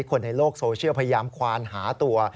คนในโลกโซเชียลพยายามควานหาตัว